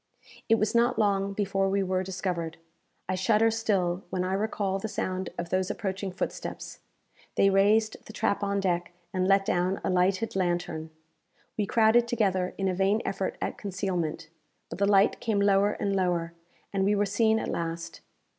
It was not long before we were discovered. I shudder still when I recall the sound of those approaching footsteps. They raised the trap on deck, and let down a lighted lantern. We crowded together in a vain effort at concealment; but the light came lower and lower, and we were seen at last.